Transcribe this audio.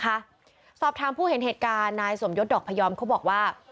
สอบถามผู้เห็นเหตุการณ์นายสมยศดอกพยอมเขาบอกว่า